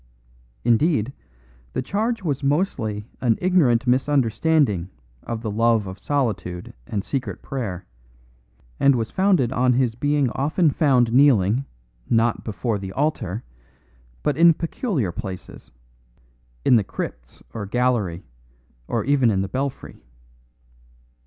Indeed, the charge was mostly an ignorant misunderstanding of the love of solitude and secret prayer, and was founded on his being often found kneeling, not before the altar, but in peculiar places, in the crypts or gallery, or even in the belfry.